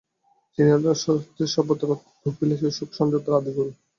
চীনেরা হচ্ছে সভ্যতার অর্থাৎ ভোগবিলাসের সুখস্বচ্ছন্দতার আদিগুরু।